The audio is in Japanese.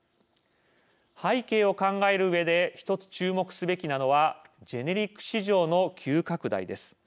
背景を考えるうえで１つ注目すべきなのはジェネリック市場の急拡大です。